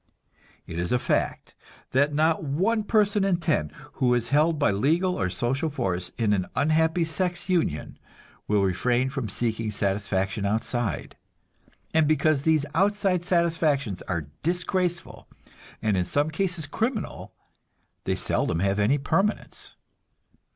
It is a fact that not one person in ten who is held by legal or social force in an unhappy sex union will refrain from seeking satisfaction outside; and because these outside satisfactions are disgraceful, and in some cases criminal, they seldom have any permanence.